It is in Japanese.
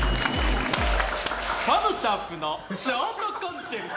ふぁのシャープのショートコンチェルト。